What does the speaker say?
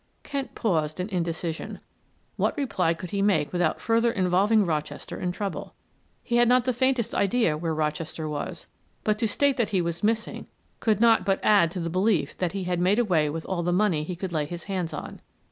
Kent paused in indecision. What reply could he make without further involving Rochester in trouble? He had not the faintest idea where Rochester was, but to state that he was missing could not but add to the belief that he had made away with all the money he could lay his hands on.